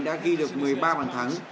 đã ghi được một mươi ba bàn thắng